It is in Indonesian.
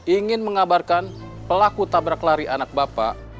ingin mengabarkan pelaku tabrak lari anak bapak